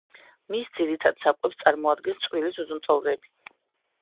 მის ძირითად საკვებს წარმოადგენს წვრილი ძუძუმწოვრები.